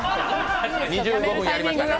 ２５分やりましたから。